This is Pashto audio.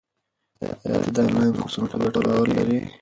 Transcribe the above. آیا ته د انلاین کورسونو په ګټه باور لرې؟